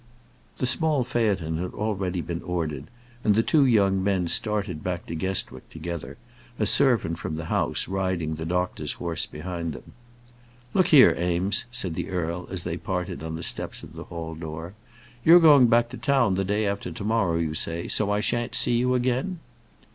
The small phaeton had been already ordered, and the two young men started back to Guestwick together, a servant from the house riding the doctor's horse behind them. "Look here, Eames," said the earl, as they parted on the steps of the hall door. "You're going back to town the day after to morrow, you say, so I shan't see you again?"